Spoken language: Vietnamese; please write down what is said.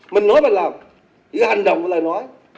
mình nói mà làm cái hành động mà lại nói